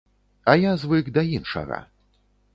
А я звык да іншага.